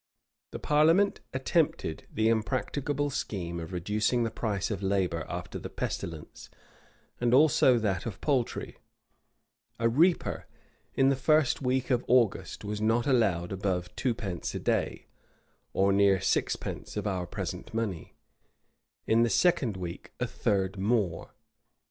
[*] The parliament attempted the impracticable scheme of reducing the price of labor after the pestilence, and also that of poultry,[] A reaper, in the first week of August, was not allowed above twopence a day, or near sixpence of our present money; in the second week, a third more.